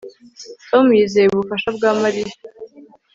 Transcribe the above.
Tom yizeye ubufasha bwa Mariya